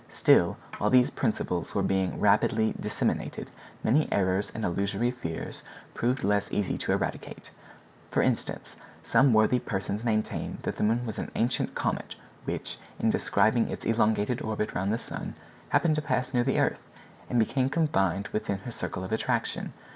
Still, while these principles were being rapidly disseminated many errors and illusory fears proved less easy to eradicate. For instance, some worthy persons maintained that the moon was an ancient comet which, in describing its elongated orbit round the sun, happened to pass near the earth, and became confined within her circle of attraction.